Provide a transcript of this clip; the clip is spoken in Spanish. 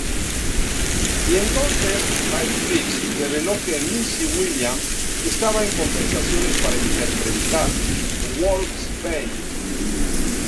Y entonces "HitFix" reveló que Maisie Williams estaba en conversaciones para interpretar Wolfsbane.